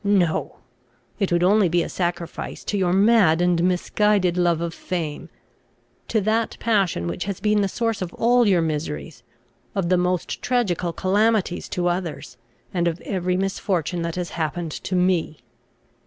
No; it would only be a sacrifice to your mad and misguided love of fame, to that passion which has been the source of all your miseries, of the most tragical calamities to others, and of every misfortune that has happened to me.